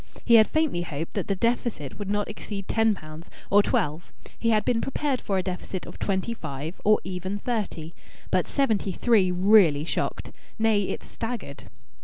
He had faintly hoped that the deficit would not exceed ten pounds, or twelve; he had been prepared for a deficit of twenty five, or even thirty. But seventy three really shocked. Nay, it staggered.